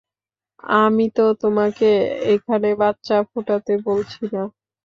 আমি তো তোমাকে এখানে বাচ্চা ফুটাতে বলছি না।